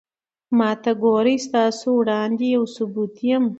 ما ته گورې ستاسو وړاندې يو ثبوت يم